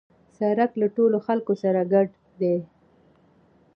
سړک له ټولو خلکو سره ګډ دی.